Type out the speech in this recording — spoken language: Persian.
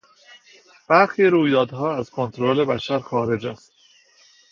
برخی رویدادها از کنترل بشر خارج است.